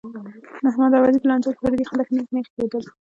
د احمد او علي په لانجه کې پردي خلک نېغ نېغ کېدل.